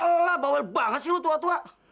allah bawel banget sih lo tua tua